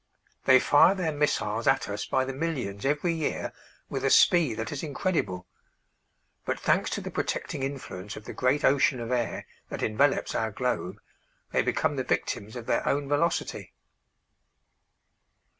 They fire their missiles at us by the millions every year with a speed that is incredible, but thanks to the protecting influence of the great ocean of air that envelops our globe they become the victims of their own velocity.